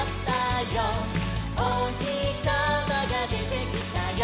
「おひさまがでてきたよ」